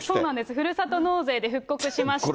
ふるさと納税で復刻しまして。